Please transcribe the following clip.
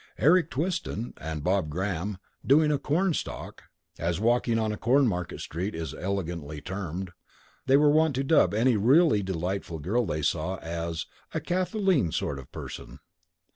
Eric Twiston and Bob Graham, "doing a Cornstalk" (as walking on Cornmarket Street is elegantly termed) were wont to dub any really delightful girl they saw as "a Kathleen sort of person."